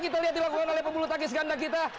kita lihat dilakukan oleh pembulu tangkis ganda kita